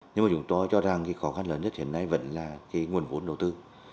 nhưng mà chúng tôi cho rằng khó khăn lớn nhất hiện nay vẫn là nguồn vốn đầu tư